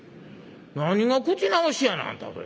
何が口直しやなあんたそれ。